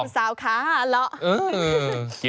ไซส์ลำไย